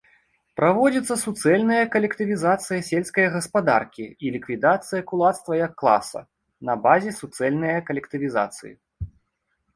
Праводзіцца суцэльная калектывізацыя сельскае гаспадаркі і ліквідацыя кулацтва як класа, на базе суцэльнае калектывізацыі.